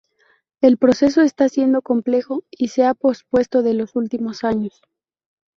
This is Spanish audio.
El proceso esta siendo complejo y se ha pospuesto desde los últimos años.